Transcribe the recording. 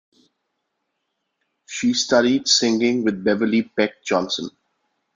She studied singing with Beverley Peck Johnson.